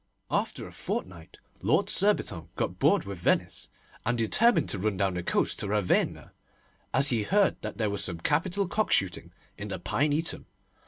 After a fortnight Lord Surbiton got bored with Venice, and determined to run down the coast to Ravenna, as he heard that there was some capital cock shooting in the Pinetum.